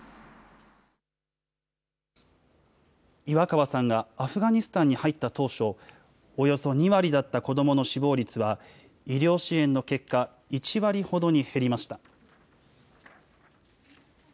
岩川さんがアフガニスタンに入った当初、およそ２割だった子どもの死亡率は、医療支援の結果、１割ほどに減りました。